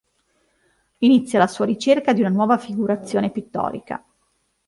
Inizia la sua ricerca di una nuova figurazione pittorica.